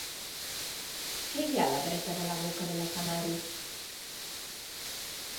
Què hi ha a la dreta de la boca de l'escenari?